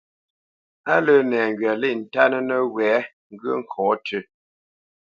Á lə́ nɛŋgywa lê ntánə́ nəwɛ̌ ŋgyə̂ ŋkɔ̌ tʉ́.